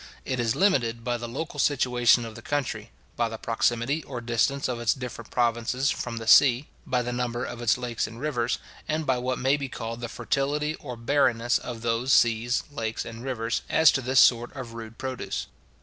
It is limited by the local situation of the country, by the proximity or distance of its different provinces from the sea, by the number of its lakes and rivers, and by what may be called the fertility or barrenness of those seas, lakes, and rivers, as to this sort of rude produce.